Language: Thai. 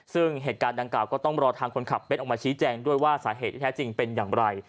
ซึ่งเหตุการณ์ดังกล่าก็ต้องรอทางคนขับเบ้นออกมาชี้แจงด้วยว่าสาเหตุที่แท้จริงเป็นอย่างไร